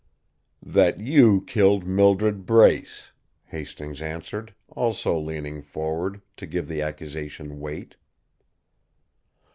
"That you killed Mildred Brace," Hastings answered, also leaning forward, to give the accusation weight.